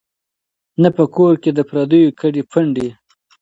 نه په کور کي د پردیو کډي پنډي